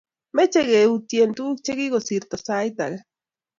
meche keyutien tuguk che kikosirto sait age